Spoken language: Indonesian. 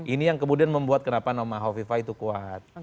ini yang kemudian membuat kenapa nama hovifah itu kuat